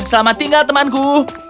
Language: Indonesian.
selamat tinggal temanku